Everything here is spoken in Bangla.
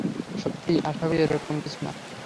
সত্যিই, আশা করি এরকম কিছু না।